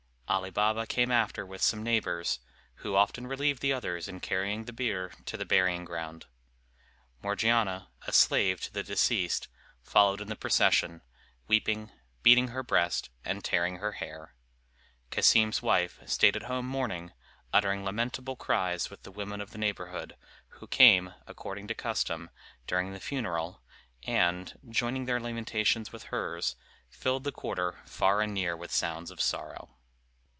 Ali Baba came after with some neighbors, who often relieved the others in carrying the bier to the burying ground. Morgiana, a slave to the deceased, followed in the procession, weeping, beating her breast, and tearing her hair. Cassim's wife stayed at home mourning, uttering lamentable cries with the women of the neighborhood, who came, according to custom, during the funeral, and, joining their lamentations with hers, filled the quarter far and near with sounds of sorrow.